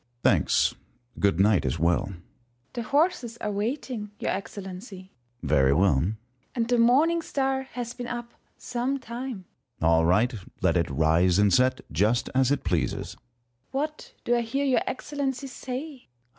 Sun. Thanks ; good night as well. First Hour. The horses are waiting, your Excellency. Sun. Very well. First Hour. And the Morning Star has been up some time. Sun. All right. Let it rise and set, just as it pleases. First Hour. What do I hear your Excellency say